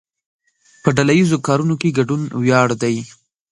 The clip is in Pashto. په ډله ایزو کارونو کې ګډون ویاړ دی.